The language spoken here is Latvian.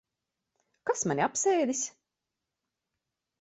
Kas mani apsēdis?